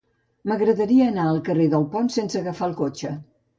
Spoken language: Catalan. M'agradaria anar al carrer del Pont sense agafar el cotxe.